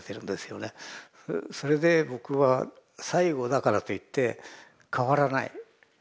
それで僕は最後だからといって変わらない。